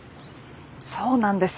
そうなんです！